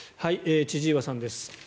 千々岩さんです。